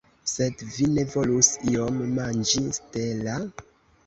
Sed vi ne volus iom manĝi, Stella?